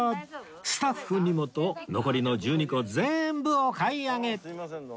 スタッフにもと残りの１２個全部お買い上げ！